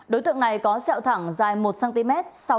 đối tượng này có xeo thẳng dài một cm